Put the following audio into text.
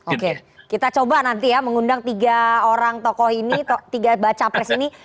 oke kita coba nanti ya mengundang tiga orang tokoh ini tiga baca pres ini